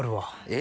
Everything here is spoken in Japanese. え？